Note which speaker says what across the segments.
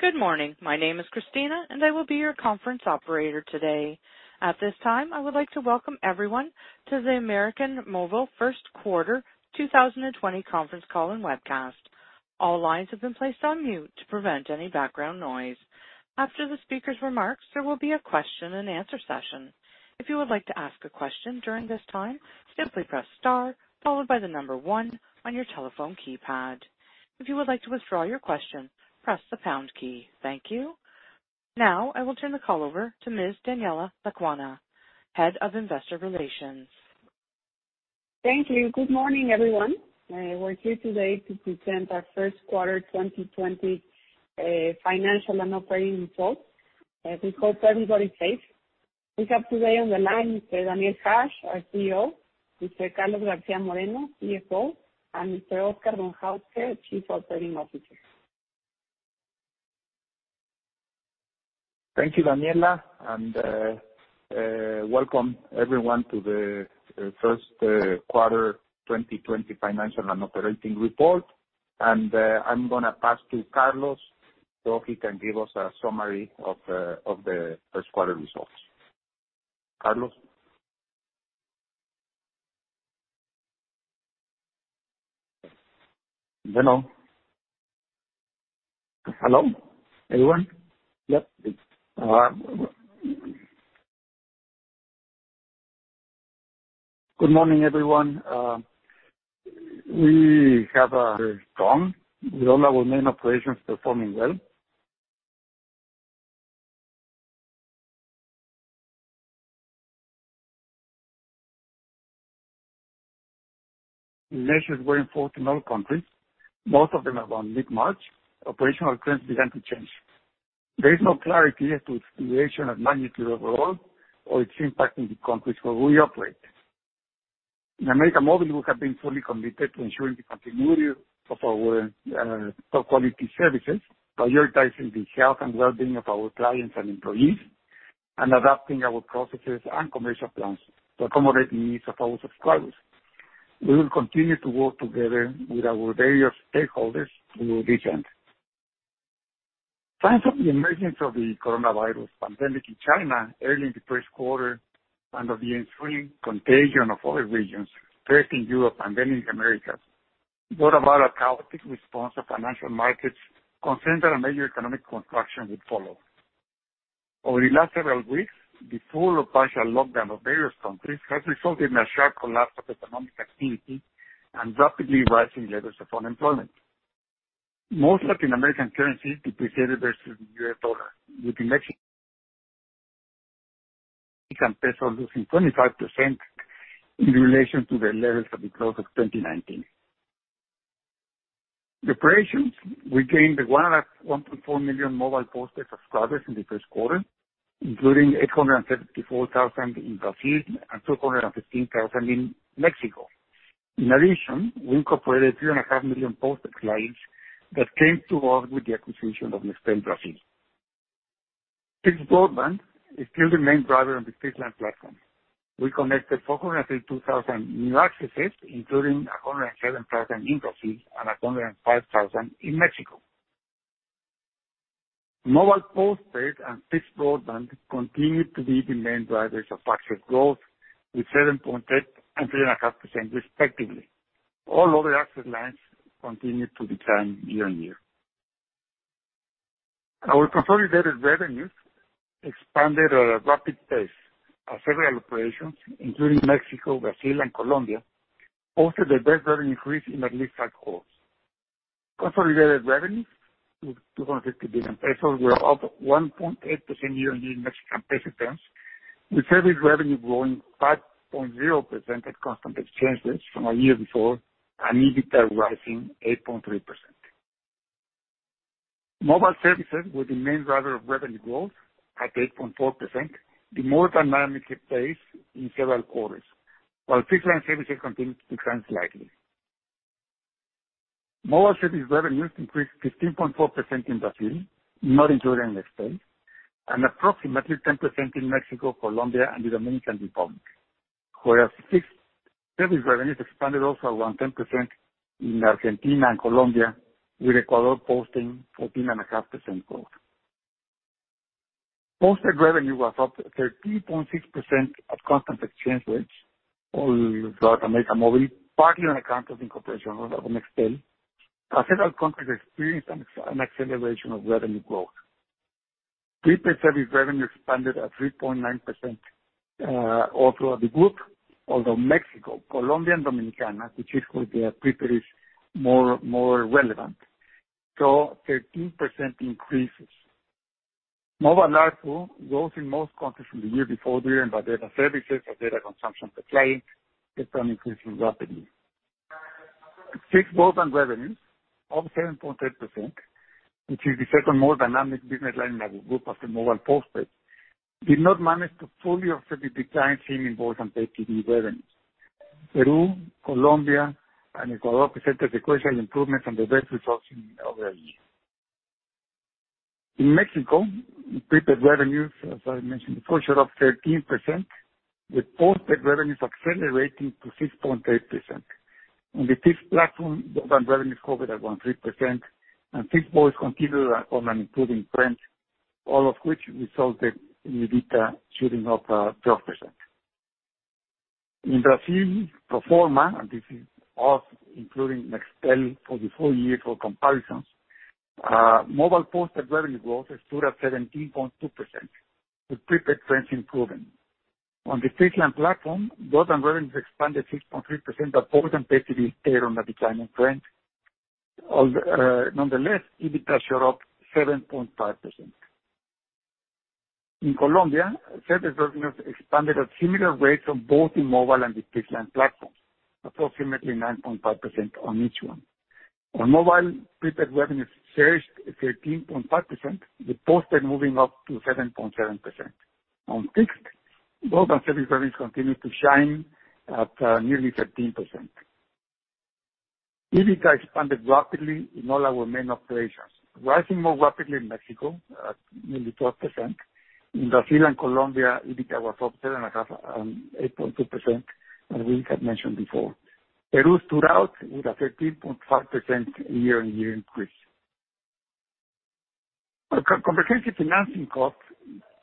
Speaker 1: Good morning. My name is Christina, and I will be your conference operator today. At this time, I would like to welcome everyone to the América Móvil First Quarter 2020 conference call and webcast. All lines have been placed on mute to prevent any background noise. After the speaker's remarks, there will be a question and answer session. If you would like to ask a question during this time, simply press star followed by the number one on your telephone keypad. If you would like to withdraw your question, press the pound key. Thank you. Now I will turn the call over to Ms. Daniela Lecuona, Head of Investor Relations.
Speaker 2: Thank you. Good morning, everyone. We're here today to present our first quarter 2020 financial and operating results. We hope everybody's safe. We have today on the line Mr. Daniel Hajj, our CEO; Mr. Carlos García Moreno, CFO; and Mr. Óscar Von Hauske, Chief Operating Officer.
Speaker 3: Thank you, Daniela, welcome everyone to the first quarter 2020 financial and operating report. I'm going to pass to Carlos so he can give us a summary of the first quarter results. Carlos?
Speaker 4: Hello, everyone. Yep. Good morning, everyone. We have a strong, with all our main operations performing well. Measures went forth in all countries. Most of them around mid-March, operational trends began to change. There is no clarity as to its duration and magnitude overall or its impact in the countries where we operate. In América Móvil, we have been fully committed to ensuring the continuity of our top-quality services, prioritizing the health and well-being of our clients and employees, and adapting our processes and commercial plans to accommodate the needs of our subscribers. We will continue to work together with our various stakeholders through this journey. Signs of the emergence of the coronavirus pandemic in China early in the first quarter and of the ensuing contagion of other regions, first in Europe and then in the Americas, brought about a chaotic response of financial markets concerned that a major economic contraction would follow. Over the last several weeks, the full or partial lockdown of various countries has resulted in a sharp collapse of economic activity and rapidly rising levels of unemployment. Most Latin American currencies depreciated versus the U.S. dollar, with Mexican peso losing 25% in relation to the levels at the close of 2019. The operations, we gained 1.4 million mobile postpaid subscribers in the first quarter, including 874,000 in Brazil and 215,000 in Mexico. In addition, we incorporated three and a half million postpaid clients that came to us with the acquisition of Nextel Brazil. Fixed broadband is still the main driver of the fixed-line platform. We connected 402,000 new accesses, including 107,000 in Brazil and 105,000 in Mexico. Mobile postpaid and fixed broadband continued to be the main drivers of access growth with 7.8% and 3.5% respectively. All other access lines continued to decline year-over-year. Our consolidated revenues expanded at a rapid pace as several operations, including Mexico, Brazil, and Colombia, posted their best revenue increase in at least five quarters. Consolidated revenues, 250 billion pesos, were up 1.8% year-on-year in Mexican peso terms, with service revenue growing 5.0% at constant exchange rates from a year before and EBITDA rising 8.3%. Mobile services were the main driver of revenue growth at 8.4%, the more dynamic pace in several quarters, while fixed-line services continued to decline slightly. Mobile service revenues increased 15.4% in Brazil, not including Nextel, and approximately 10% in Mexico, Colombia, and the Dominican Republic. Whereas fixed service revenues expanded also around 10% in Argentina and Colombia, with Ecuador posting 14.5% growth. Postpaid revenue was up 13.6% at constant exchange rates all throughout América Móvil, partly on account of the incorporation of Nextel, as several countries experienced an acceleration of revenue growth. Prepaid service revenue expanded at 3.9% all throughout the group. Although Mexico, Colombia, and Dominicana, which is where the prepaid is more relevant, saw 13% increases. Mobile ARPU rose in most countries from the year before driven by data services as data consumption per client kept on increasing rapidly. Fixed broadband revenues of 7.8%, which is the second most dynamic business line in the group after mobile postpaid, did not manage to fully offset the decline seen in broadband ARPU revenues. Peru, Colombia, and Ecuador presented sequential improvements and the best results in over a year. In Mexico, prepaid revenues, as I mentioned before, shot up 13%, with postpaid revenues accelerating to 6.8%. On the fifth platform, data and revenues recovered at 13%, and fixed voice continued on an improving trend, all of which resulted in EBITDA shooting up 12%. In Brazil, pro forma, and this is us including Nextel for the full year for comparisons, mobile postpaid revenue growth stood at 17.2%, with prepaid trends improving. On the fixed line platform, data and revenues expanded 6.3%, but wasn't able to maintain a declining trend. Nonetheless, EBITDA shot up 7.5%. In Colombia, service revenues expanded at similar rates on both the mobile and the fixed line platforms, approximately 9.5% on each one. On mobile, prepaid revenues surged 13.5%, with postpaid moving up to 7.7%. On fixed, mobile and service revenues continued to shine at nearly 13%. EBITDA expanded rapidly in all our main operations, rising more rapidly in Mexico at nearly 12%. In Brazil and Colombia, EBITDA was up 7.5% and 8.2%, as we had mentioned before. Peru stood out with a 13.5% year-on-year increase. Our comprehensive financing cost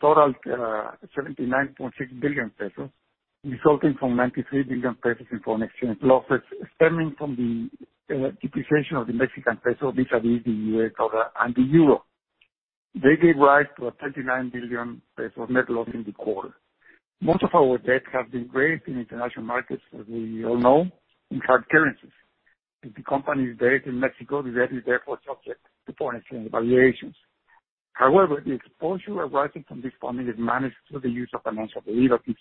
Speaker 4: totaled 79.6 billion pesos, resulting from 93 billion pesos in foreign exchange losses stemming from the depreciation of the Mexican peso vis-à-vis the U.S. dollar and the euro. They gave rise to a 29 billion pesos net loss in the quarter. Most of our debt has been raised in international markets, as we all know, in hard currencies. If the company is based in Mexico, the debt is therefore subject to foreign exchange valuations. The exposure arising from this funding is managed through the use of financial derivatives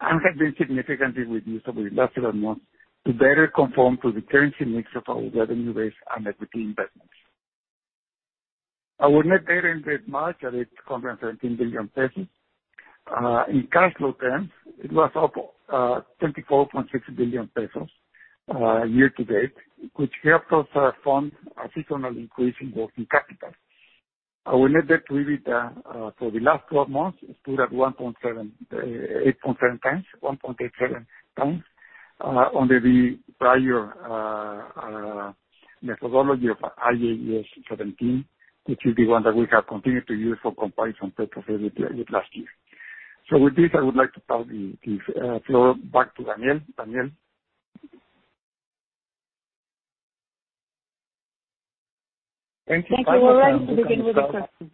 Speaker 4: and has been significantly reduced over the last 12 months to better conform to the currency mix of our revenue base and equity investments. Our net debt in this March at 817 billion pesos. In cash flow terms, it was up 24.6 billion pesos year-to-date, which helped us fund a seasonal increase in working capital. Our net debt to EBITDA for the last 12 months stood at 8.7x under the prior methodology of IAS 17, which is the one that we have continued to use for comparison purposes with last year. With this, I would like to pass the floor back to Daniel. Daniel?
Speaker 3: Thank you.
Speaker 1: Thank you, all. We'll begin with the questions.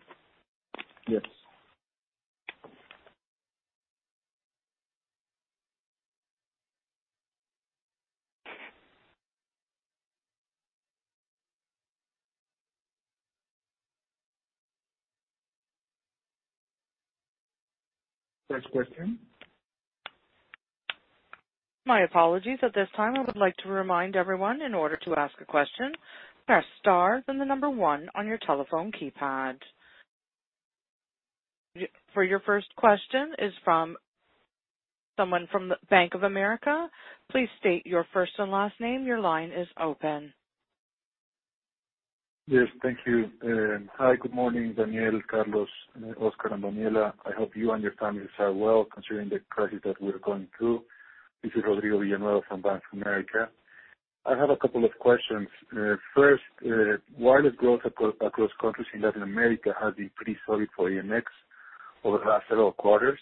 Speaker 3: Yes. First question?
Speaker 1: My apologies. At this time, I would like to remind everyone, in order to ask a question, press star then the number one on your telephone keypad. Your first question is from someone from the Bank of America. Please state your first and last name. Your line is open.
Speaker 5: Yes. Thank you. Hi, good morning, Daniel, Carlos, Oscar, and Daniela. I hope you and your families are well considering the crisis that we're going through. This is Rodrigo Villanueva from Bank of America. I have a couple of questions. First, wireless growth across countries in Latin America has been pretty solid for AMX over the last several quarters,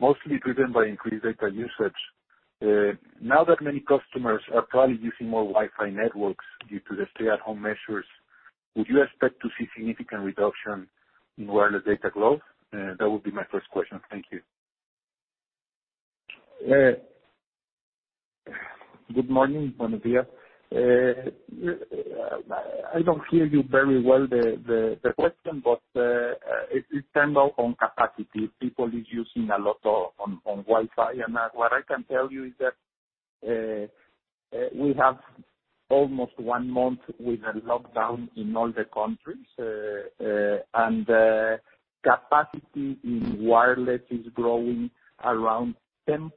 Speaker 5: mostly driven by increased data usage. Now that many customers are probably using more Wi-Fi networks due to the stay-at-home measures, would you expect to see significant reduction in wireless data growth? That would be my first question. Thank you.
Speaker 3: Good morning, Rodrigo. I don't hear you very well, the question. It depends on capacity. People is using a lot on Wi-Fi. What I can tell you is that we have almost one month with a lockdown in all the countries, and the capacity in wireless is growing around 10%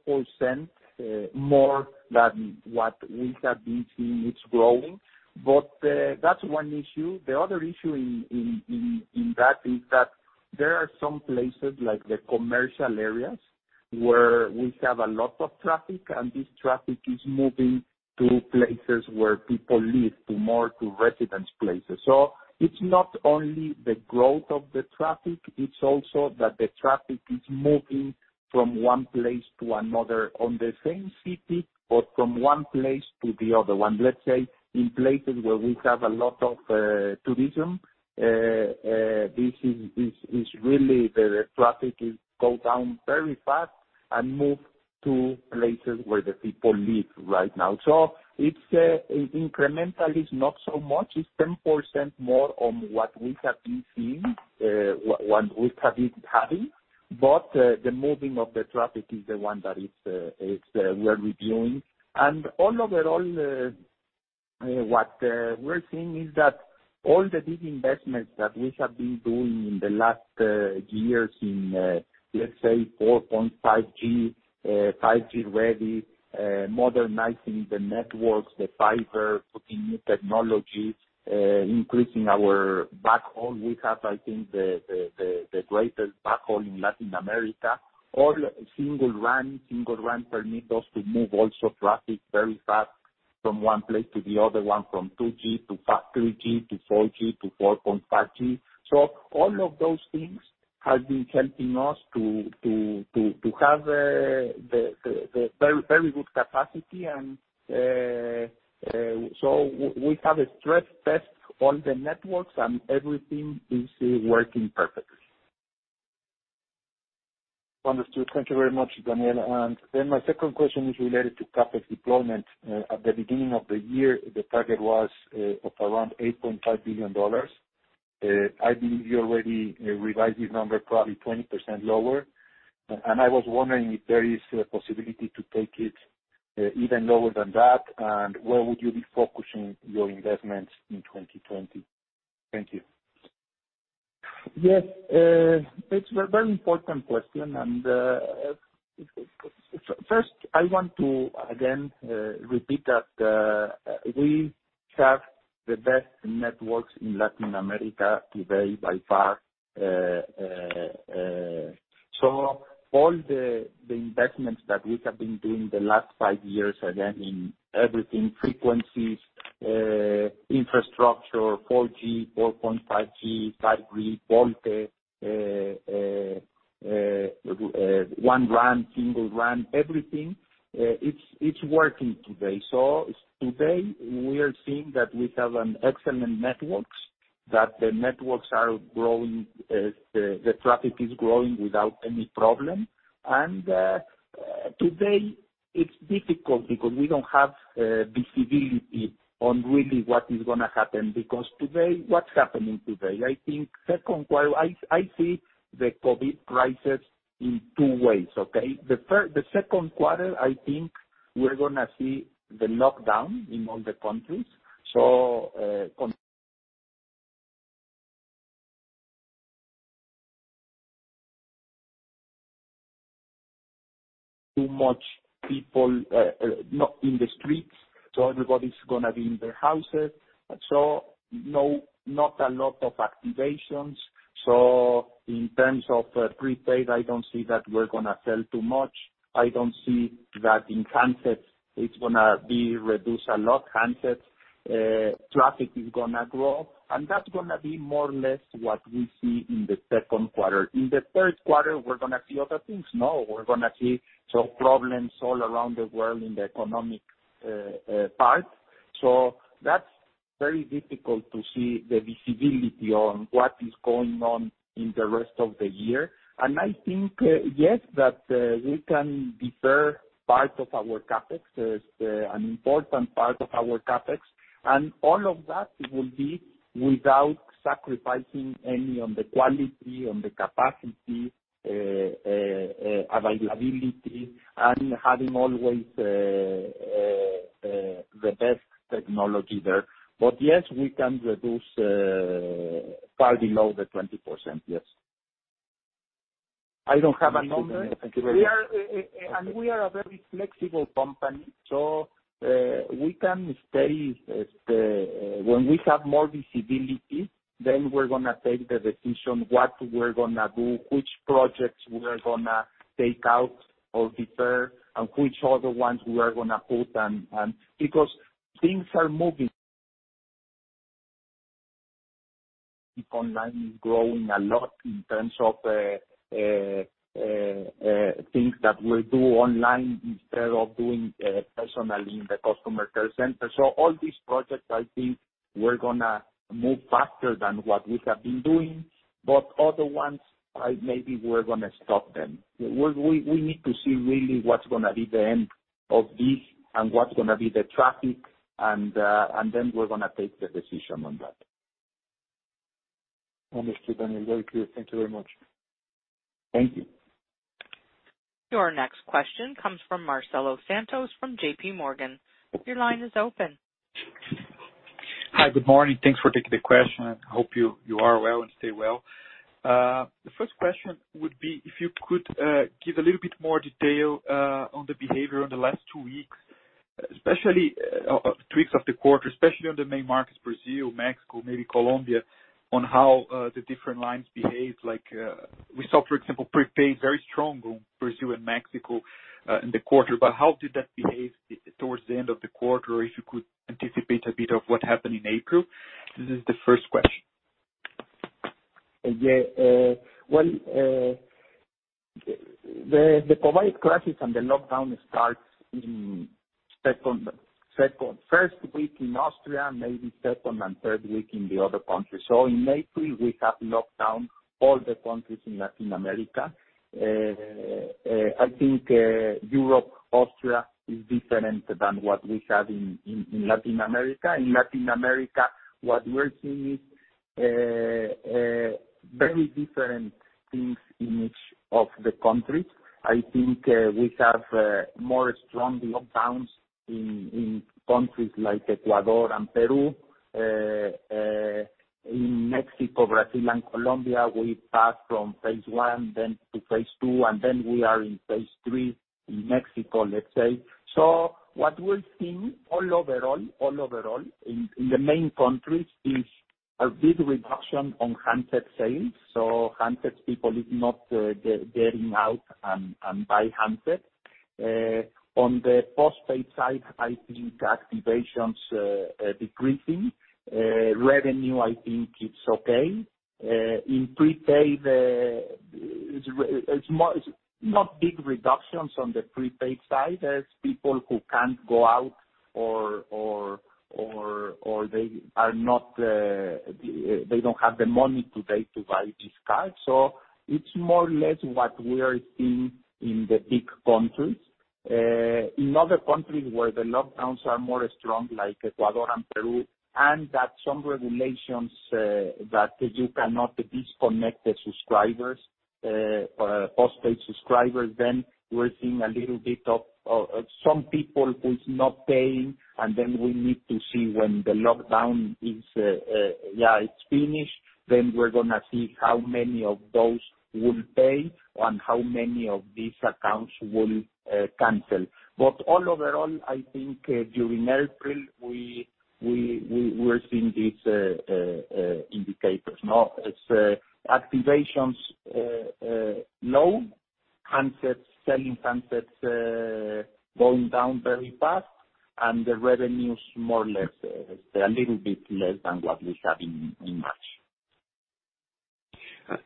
Speaker 3: more than what we have been seeing it's growing. That's one issue. The other issue in that is that there are some places like the commercial areas where we have a lot of traffic, and this traffic is moving to places where people live, to more to residence places. It's not only the growth of the traffic, it's also that the traffic is moving from one place to another on the same city or from one place to the other one. Let's say in places where we have a lot of tourism, this is really the traffic is go down very fast and move to places where the people live right now. It's incrementally not so much. It's 10% more on what we have been seeing, what we have been having. The moving of the traffic is the one that we are reviewing. Overall, what we're seeing is that all the big investments that we have been doing in the last years in, let's say, 4.5G ready, modernizing the networks, the fiber, putting new technology, increasing our backhaul. We have, I think, the greatest backhaul in Latin America. All Single RAN. Single RAN permit us to move also traffic very fast. From one place to the other one, from 2G to 3G to 4G to 4.5G. All of those things have been helping us to have very good capacity. We have a stress test on the networks, and everything is working perfectly.
Speaker 5: Understood. Thank you very much, Daniel. Then my second question is related to CapEx deployment. At the beginning of the year, the target was of around $8.5 billion. I believe you already revised this number, probably 20% lower. I was wondering if there is a possibility to take it even lower than that, and where would you be focusing your investments in 2020? Thank you.
Speaker 3: First I want to, again, repeat that we have the best networks in Latin America today by far. All the investments that we have been doing the last five years, again, in everything, frequencies, infrastructure, 4G, 4.5G, VoLTE, Open RAN, Single RAN, everything, it's working today. Today, we are seeing that we have an excellent networks, that the networks are growing, the traffic is growing without any problem. Today it's difficult because we don't have visibility on really what is going to happen, because today, what's happening today? I see the COVID crisis in two ways, okay? The second quarter, I think we're going to see the lockdown in all the countries. Too much people, not in the streets, everybody's going to be in their houses. Not a lot of activations. In terms of prepaid, I don't see that we're going to sell too much. I don't see that in concept it's going to be reduced a lot. Concept traffic is going to grow, and that's going to be more or less what we see in the second quarter. In the third quarter, we're going to see other things now. We're going to see some problems all around the world in the economic part. That's very difficult to see the visibility on what is going on in the rest of the year. I think, yes, that we can defer part of our CapEx, an important part of our CapEx, and all of that will be without sacrificing any on the quality, on the capacity, availability, and having always the best technology there. Yes, we can reduce far below the 20%. Yes. I don't have a number.
Speaker 5: Thank you very much.
Speaker 3: We are a very flexible company, so we can stay. When we have more visibility, then we're going to take the decision what we're going to do, which projects we are going to take out or defer, and which other ones we are going to put, and because things are moving. Online is growing a lot in terms of things that we do online instead of doing personally in the customer care center. All these projects, I think we're going to move faster than what we have been doing, but other ones, maybe we're going to stop them. We need to see really what's going to be the end of this and what's going to be the traffic, and then we're going to take the decision on that.
Speaker 5: Understood, Daniel. Very clear. Thank you very much.
Speaker 3: Thank you.
Speaker 1: Your next question comes from Marcelo Santos from JPMorgan. Your line is open.
Speaker 6: Hi. Good morning. Thanks for taking the question, and hope you are well and stay well. The first question would be if you could give a little bit more detail on the behavior in the last two weeks, especially two weeks of the quarter, especially on the main markets, Brazil, Mexico, maybe Colombia, on how the different lines behave. Like we saw, for example, prepaid, very strong growth, Brazil and Mexico, in the quarter. How did that behave towards the end of the quarter? If you could anticipate a bit of what happened in April. This is the first question.
Speaker 3: Well, the COVID crisis and the lockdown starts in first week in Austria, maybe second and third week in the other countries. In April, we have lockdown all the countries in Latin America. I think Europe, Austria is different than what we have in Latin America. In Latin America, what we are seeing is very different things in each of the countries. I think we have more strong lockdowns in countries like Ecuador and Peru. In Mexico, Brazil, and Colombia, we passed from phase I then to phase II, and then we are in phase III in Mexico, let's say. What we're seeing all overall in the main countries is a big reduction on handset sales. Handset, people is not getting out and buy handset. On the postpaid side, I think activations decreasing. Revenue, I think it's okay. In prepaid, it's not big reductions on the prepaid side as people who can't go out or they don't have the money today to buy this card. It's more or less what we are seeing in the big countries. In other countries where the lockdowns are more strong, like Ecuador and Peru, and that some regulations that you cannot disconnect the subscribers, postpaid subscribers, then we're seeing a little bit of some people who's not paying, and then we need to see when the lockdown is finished, then we're going to see how many of those will pay and how many of these accounts will cancel. All overall, I think during April, we're seeing these indicators. It's activations low, selling handsets going down very fast, and the revenues more or less, a little bit less than what we have in March.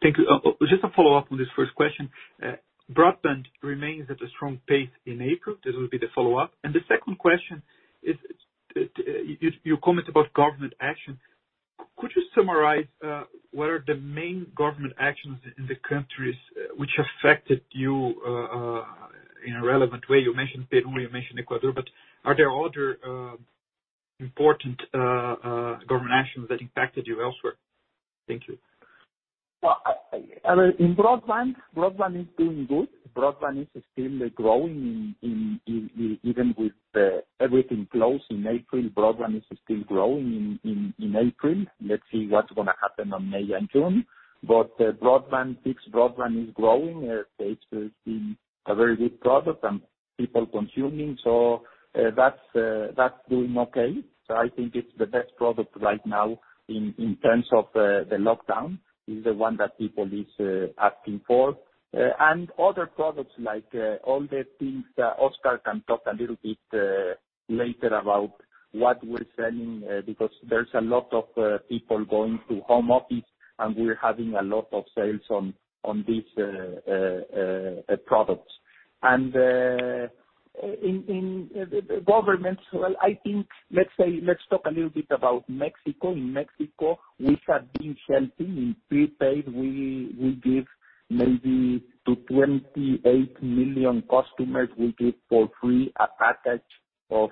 Speaker 6: Thank you. Just a follow-up on this first question. Broadband remains at a strong pace in April. This will be the follow-up. The second question is your comment about government action. Could you summarize what are the main government actions in the countries which affected you in a relevant way? You mentioned Peru, you mentioned Ecuador, but are there other important government actions that impacted you elsewhere? Thank you.
Speaker 3: Well, in broadband is doing good. Broadband is still growing even with everything closed in April. Broadband is still growing in April. Let's see what's going to happen on May and June. Fixed broadband is growing. It's been a very good product and people consuming. That's doing okay. I think it's the best product right now in terms of the lockdown, is the one that people is asking for. Other products, like all the things that Oscar can talk a little bit later about what we're selling, because there's a lot of people going to home office, and we're having a lot of sales on these products. In governments, well, I think, let's talk a little bit about Mexico. In Mexico, we have been helping in prepaid. Maybe to 28 million customers, we give for free a package of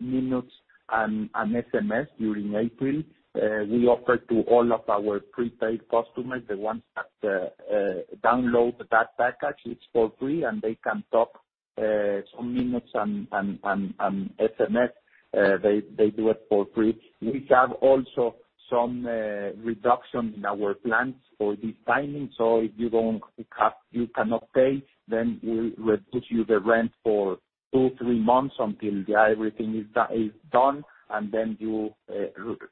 Speaker 3: minutes and SMS during April. We offer to all of our prepaid customers, the ones that download that package, it's for free, and they can talk some minutes and SMS. They do it for free. We have also some reduction in our plans for this timing. If you cannot pay, then we reduce you the rent for two, three months until everything is done, and then you,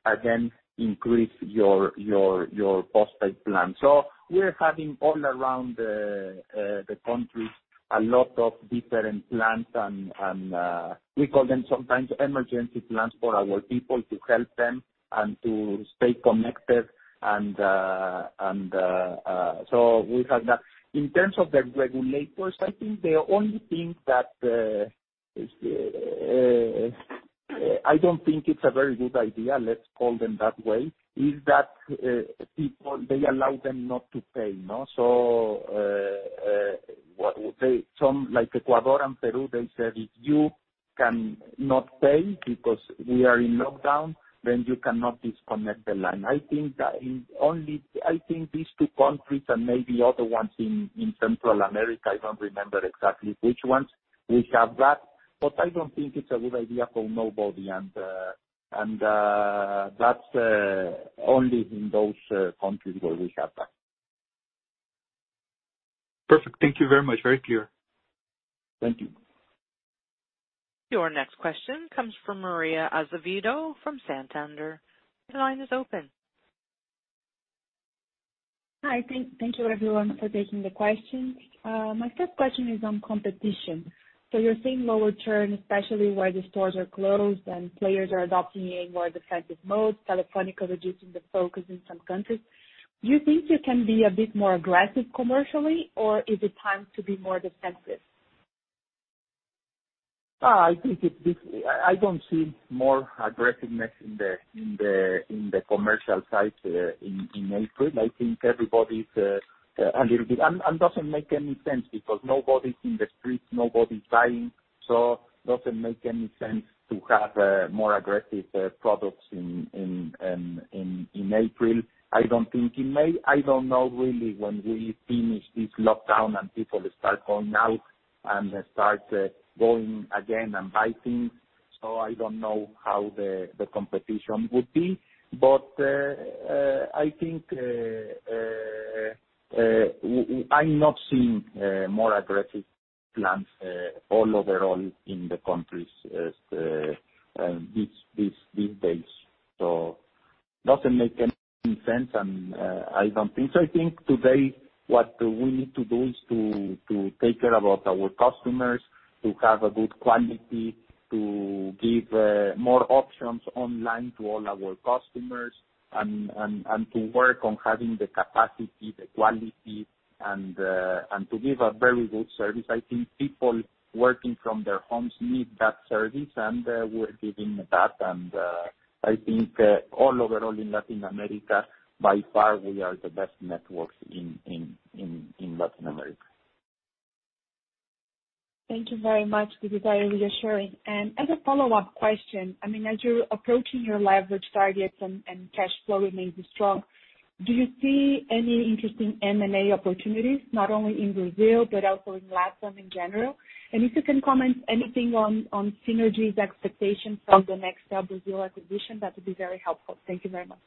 Speaker 3: again, increase your postpaid plan. We're having all around the country a lot of different plans, and we call them sometimes emergency plans for our people to help them and to stay connected. We have that. In terms of the regulators, I think the only thing that I don't think it's a very good idea, let's call them that way, is that they allow them not to pay. Like Ecuador and Peru, they said, if you cannot pay because we are in lockdown, then you cannot disconnect the line. I think these two countries and maybe other ones in Central America, I don't remember exactly which ones, which have that, but I don't think it's a good idea for nobody. That's only in those countries where we have that.
Speaker 6: Perfect. Thank you very much. Very clear.
Speaker 3: Thank you.
Speaker 1: Your next question comes from Maria Azevedo from Santander. Your line is open.
Speaker 7: Hi, thank you everyone for taking the questions. My first question is on competition. You're seeing lower churn, especially where the stores are closed and players are adopting a more defensive mode, Telefónica reducing the focus in some countries. Do you think you can be a bit more aggressive commercially, or is it time to be more defensive?
Speaker 3: I don't see more aggressiveness in the commercial side in April. I think everybody's a little bit. Doesn't make any sense because nobody's in the streets, nobody's buying, doesn't make any sense to have more aggressive products in April. I don't think in May. I don't know really when we finish this lockdown and people start going out and start going again and buying. I don't know how the competition would be, but I'm not seeing more aggressive plans all overall in the countries these days. Doesn't make any sense, I don't think so. I think today what we need to do is to take care about our customers, to have a good quality, to give more options online to all our customers, and to work on having the capacity, the quality, and to give a very good service. I think people working from their homes need that service, and we're giving that. I think all overall in Latin America, by far, we are the best networks in Latin America.
Speaker 7: Thank you very much. This is very reassuring. As a follow-up question, as you're approaching your leverage targets and cash flow remains strong, do you see any interesting M&A opportunities, not only in Brazil but also in LATAM in general? If you can comment anything on synergies expectations from the Nextel Brazil acquisition, that would be very helpful. Thank you very much.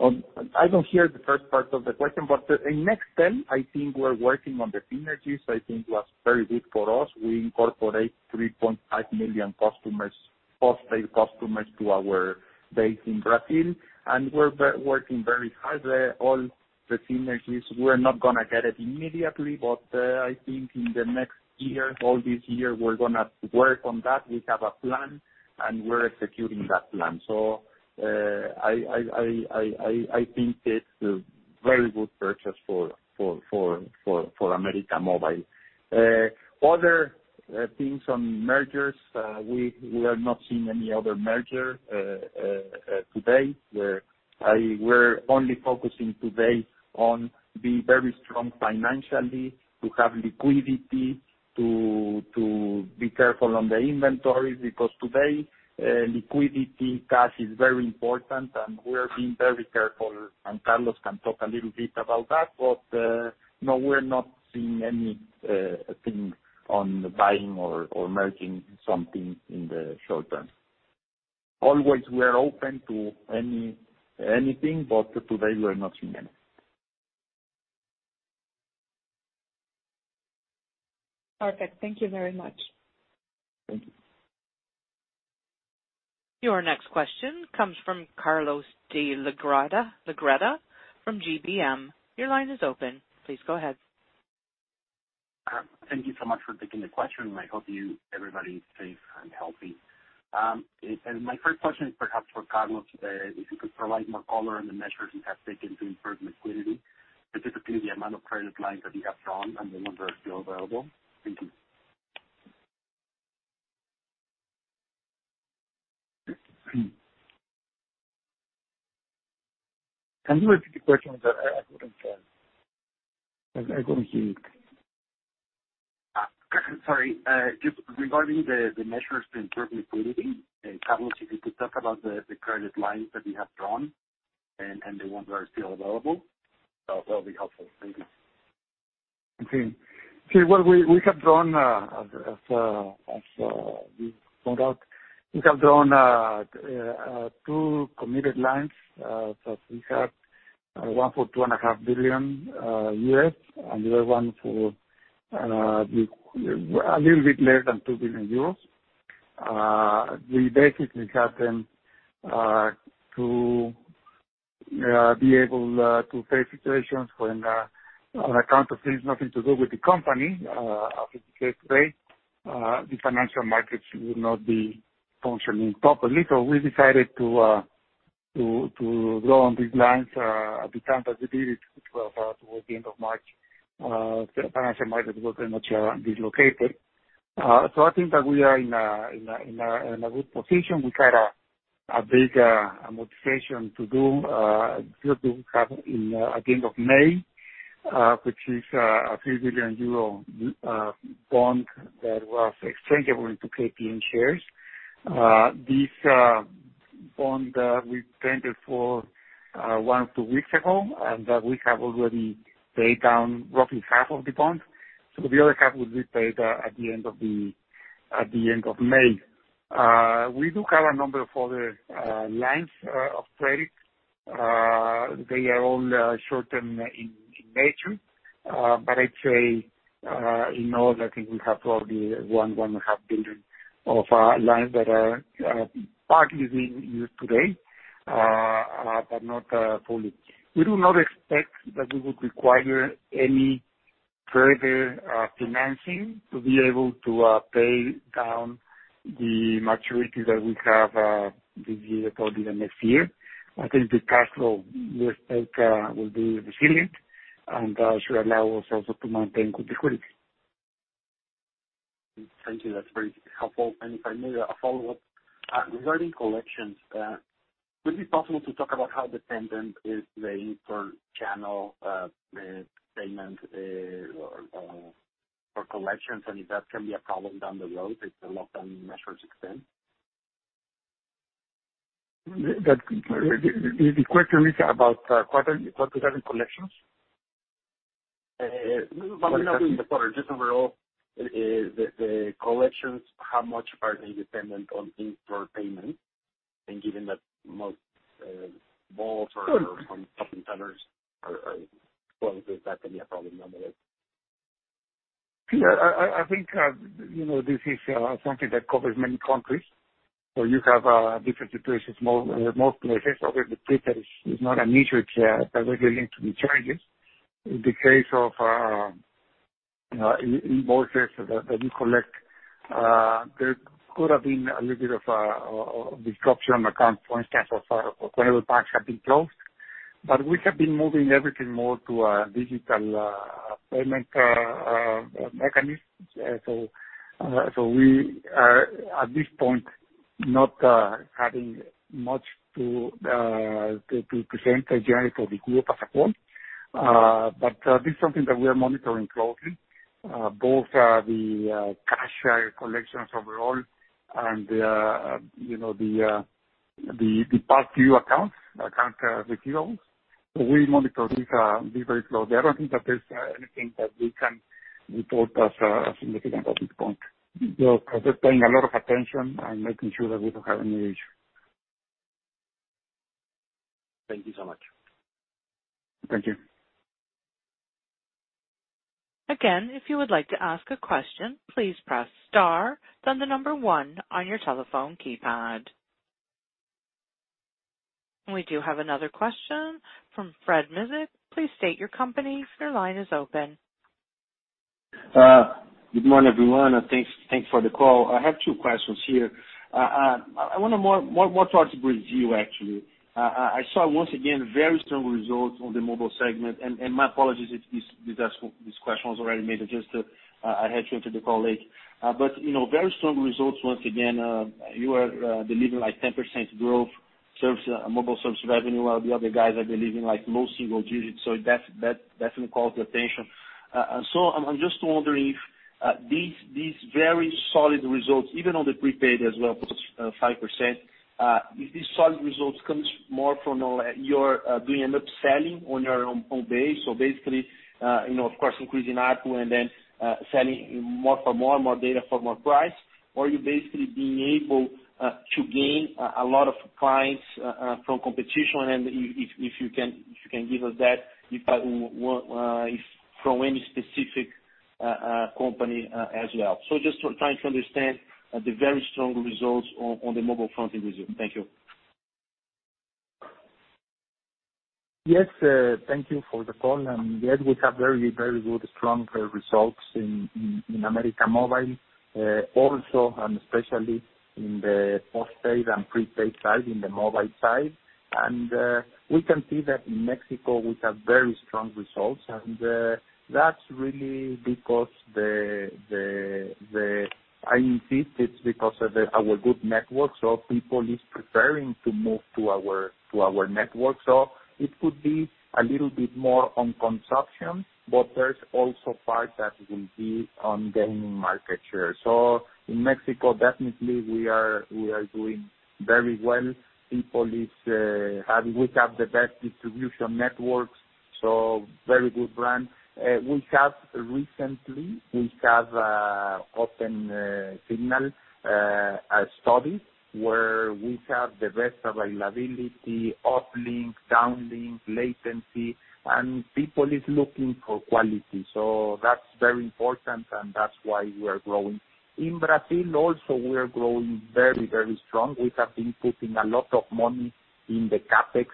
Speaker 3: I don't hear the first part of the question. In Nextel, I think we're working on the synergies. I think it was very good for us. We incorporate 3.5 million customers, post-paid customers to our base in Brazil, and we're working very hard. All the synergies, we're not going to get it immediately, but I think in the next year, all this year, we're going to work on that. We have a plan and we're executing that plan. I think it's a very good purchase for América Móvil. Other things on mergers, we are not seeing any other merger today. We're only focusing today on being very strong financially, to have liquidity, to be careful on the inventory, because today, liquidity cash is very important, and we are being very careful and Carlos can talk a little bit about that. No, we're not seeing anything on buying or merging something in the short term. Always, we're open to anything, but today we're not seeing any.
Speaker 7: Perfect. Thank you very much.
Speaker 3: Thank you.
Speaker 1: Your next question comes from Carlos de Legarreta from GBM. Your line is open. Please go ahead.
Speaker 8: Thank you so much for taking the question, and I hope everybody is safe and healthy. My first question is perhaps for Carlos. If you could provide more color on the measures you have taken to improve liquidity, specifically the amount of credit lines that you have drawn and the ones that are still available. Thank you.
Speaker 4: Can you repeat the question? I couldn't hear it.
Speaker 8: Sorry. Just regarding the measures to improve liquidity, Carlos, if you could talk about the credit lines that you have drawn and the ones that are still available, that would be helpful. Thank you.
Speaker 4: Okay. We have drawn, as we found out, two committed lines. We have one for $2.5 billion, and the other one for a little bit less than 2 billion euros. We basically have them to be able to face situations when, on account of things nothing to do with the company, as is the case today, the financial markets will not be functioning properly. We decided to draw on these lines at the time that we did it, towards the end of March, the financial markets were very much dislocated. I think that we are in a good position. We had a big motivation to do, we have at the end of May, which is a 3 billion euro bond that was exchangeable into KPN shares. This bond we printed for one to two weeks ago, and that we have already paid down roughly half of the bond. The other half will be paid at the end of May. We do have a number of other lines of credit. They are all short-term in nature. I'd say, in all, I think we have probably 1 billion, 1.5 billion of lines that are partly being used today, but not fully. We do not expect that we would require any further financing to be able to pay down the maturity that we have this year or even next year. I think the cash flow we expect will be resilient and should allow us also to maintain good liquidity.
Speaker 8: Thank you. That's very helpful. If I may, a follow-up. Regarding collections, would it be possible to talk about how dependent is the in-store channel payment for collections and if that can be a problem down the road if the lockdown measures extend?
Speaker 4: The question is about what? Regarding collections?
Speaker 8: Not in the quarter, just overall, the collections, how much are they dependent on in-store payment? given that most malls.
Speaker 4: Sure.
Speaker 8: Some shopping centers are closed, that can be a problem anyway.
Speaker 4: I think, this is something that covers many countries, where you have different situations, most places. Obviously, prepaid is not an issue. It's directly linked to the charges. In the case of invoices that we collect, there could have been a little bit of a disruption on accounts, for instance, whenever banks have been closed. We have been moving everything more to a digital payment mechanism. We are, at this point, not having much to present in general for the group as a whole. This is something that we are monitoring closely, both the cash collections overall and the past due accounts, account receivables. We monitor this very closely. I don't think that there's anything that we can report as significant at this point. We are paying a lot of attention and making sure that we don't have any issue.
Speaker 8: Thank you so much.
Speaker 4: Thank you.
Speaker 1: Again, if you would like to ask a question, please press star then the number one on your telephone keypad. We do have another question from [Fred Mendes]. Please state your company. Your line is open.
Speaker 9: Good morning, everyone. Thanks for the call. I have two questions here. I want to more talk to Brazil, actually. I saw, once again, very strong results on the mobile segment. My apologies if this question was already made. I had joined the call late. Very strong results once again. You are delivering 10% growth mobile service revenue, while the other guys are delivering low single digits. That definitely calls the attention. I'm just wondering if these very solid results, even on the prepaid as well, +5%, if these solid results comes more from doing upselling on your own base. Basically, of course, increasing ARPU and then selling more for more, more data for more price, or you basically being able to gain a lot of clients from competition. If you can give us that, from any specific company as well. Just trying to understand the very strong results on the mobile front in Brazil. Thank you.
Speaker 3: Yes. Thank you for the call. Yes, we have very good strong results in América Móvil. Also, especially in the postpaid and prepaid side, in the mobile side. We can see that in Mexico, we have very strong results. That's really because it's because of our good network, so people is preparing to move to our network. It could be a little bit more on consumption, but there's also part that will be on gaining market share. In Mexico, definitely we are doing very well. We have the best distribution networks, so very good brand. We have recently, Opensignal studies where we have the best availability, uplink, downlink, latency, and people is looking for quality. That's very important, and that's why we are growing. In Brazil also, we are growing very strong. We have been putting a lot of money in the CapEx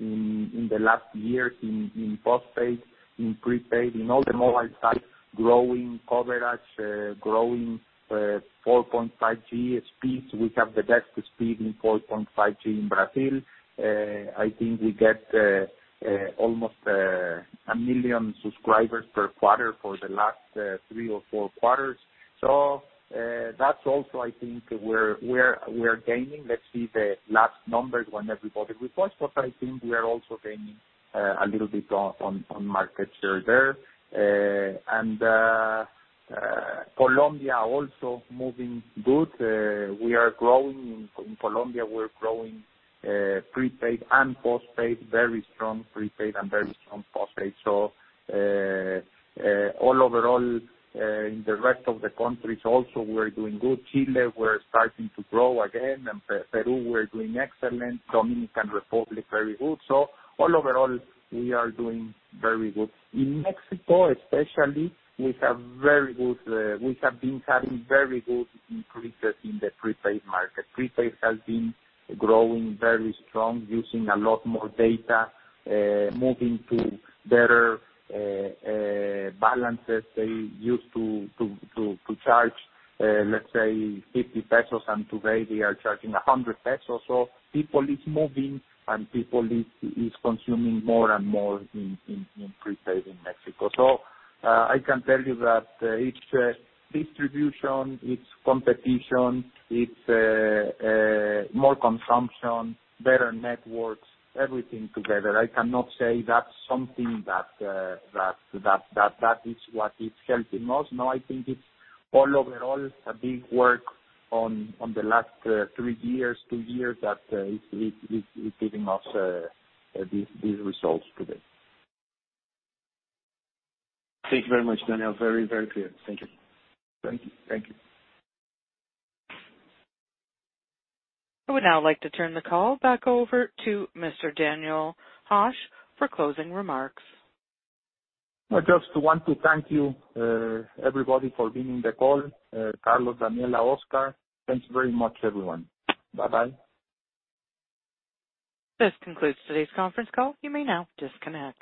Speaker 3: in the last years, in postpaid, in prepaid, in all the mobile side, growing coverage, growing 4.5G speeds. We have the best speed in 4.5G in Brazil. I think we get almost million subscribers per quarter for the last three or four quarters. That's also, I think, we're gaining. Let's see the last numbers when everybody reports, I think we are also gaining a little bit on market share there. Colombia also moving good. We are growing in Colombia. We're growing prepaid and postpaid, very strong prepaid and very strong postpaid. Overall, in the rest of the countries also, we're doing good. Chile, we're starting to grow again, Peru, we're doing excellent. Dominican Republic, very good. Overall, we are doing very good. In Mexico especially, we have been having very good increases in the prepaid market. Prepaid has been growing very strong, using a lot more data, moving to better balances. They used to charge, let's say 50 pesos, Today they are charging 100 pesos. People is moving. People is consuming more and more in prepaid in Mexico. I can tell you that it's distribution, it's competition, it's more consumption, better networks, everything together. I cannot say that's something that is what is helping most. No, I think it's all overall a big work on the last three years, two years, that is giving us these results today.
Speaker 9: Thank you very much, Daniel. Very, very clear. Thank you.
Speaker 3: Thank you.
Speaker 1: I would now like to turn the call back over to Mr. Daniel Hajj for closing remarks.
Speaker 3: I just want to thank you, everybody, for being in the call. Carlos, Daniela, Oscar. Thanks very much, everyone. Bye-bye.
Speaker 1: This concludes today's conference call. You may now disconnect.